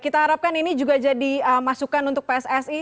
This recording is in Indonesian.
kita harapkan ini juga jadi masukan untuk pssi